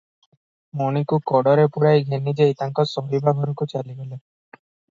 ମଣିକୁ କୋଡ଼ରେ ପୁରାଇ ଘେନିଯାଇ ତାଙ୍କ ଶୋଇବା ଘରକୁ ଚାଲିଗଲେ ।